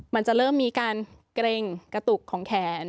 มันจะเริ่มมีการเกร็งกระตุกของแขน